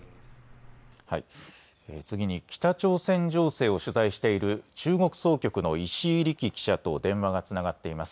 次に北朝鮮情勢を取材している中国総局の石井利喜記者と電話がつながっています。